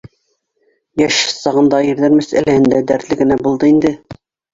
Йәш сағында ирҙәр мәсьәләһендә дәртле генә булды инде.